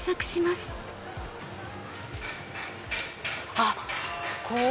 あっここ。